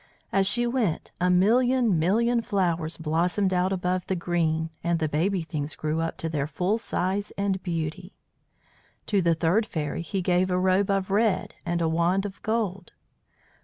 As she went a million million flowers blossomed out above the green, and the baby things grew up to their full size and beauty. To the third fairy he gave a robe of red and a wand of gold.